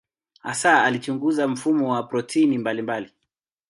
Hasa alichunguza mfumo wa protini mbalimbali.